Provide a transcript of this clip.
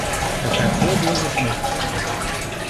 Er zijn voorbeelden genoeg.